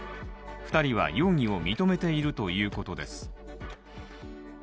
２人は容疑を認めているということです。